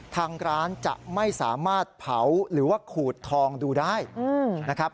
ทางร้านจะไม่สามารถเผาหรือว่าขูดทองดูได้นะครับ